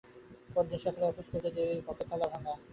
পরদিন সকালে অফিস খুলতে গিয়ে কক্ষের তালা ভাঙা অবস্থায় পাওয়া যায়।